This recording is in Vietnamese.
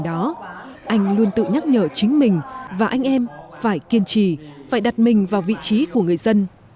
do đó anh luôn tự nhắc nhở chính mình và anh em phải kiên trì phải đặt mình vào vị trí của người dân